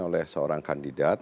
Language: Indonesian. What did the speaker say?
oleh seorang kandidat